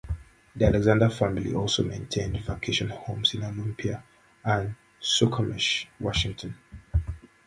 The Alexander family also maintained vacation homes in Olympia and Suquamish, Washington.